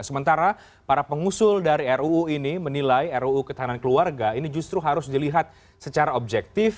sementara para pengusul dari ruu ini menilai ruu ketahanan keluarga ini justru harus dilihat secara objektif